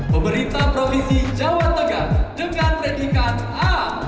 pemerintah provinsi jawa tengah dengan predikat a